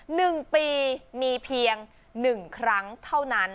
หนึ่งปีมีเพียงหนึ่งครั้งเท่านั้น